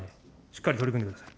しっかり取り組んでください。